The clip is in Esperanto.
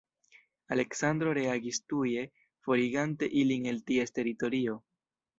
Aleksandro reagis tuje, forigante ilin el ties teritorio.